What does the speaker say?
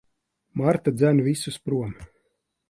Marta dzen visus prom.